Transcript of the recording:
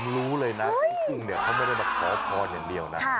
รู้เลยนะพี่กุ้งเนี่ยเขาไม่ได้มาขอพรอย่างเดียวนะ